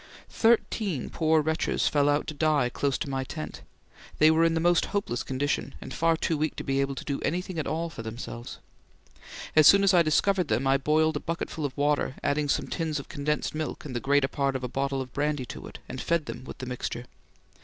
Thirteen poor wretches fell out to die close to my tent; they were in the most hopeless condition and far too weak to be able to do anything at all for themselves. As soon as I discovered them, I boiled a bucketful of water, added some tins of condensed milk and the greater part of a bottle of brandy to it, and fed them with the mixture.